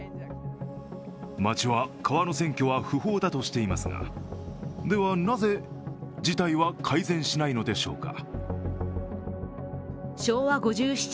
町は川の占拠は不法だとしていますがでは、なぜ事態は改善しないのでしょうか。